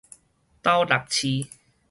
斗六市